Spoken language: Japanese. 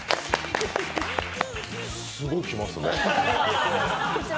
すごい来ますね。